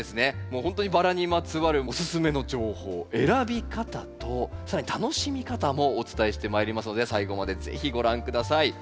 もうほんとにバラにまつわるおすすめの情報選び方と更に楽しみ方もお伝えしてまいりますので最後まで是非ご覧下さい。